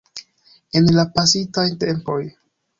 En la pasintaj tempoj.